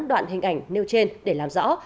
đoạn hình ảnh nêu trên để làm rõ